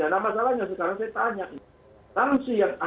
dan seterusnya ada masalahnya sekarang saya tanya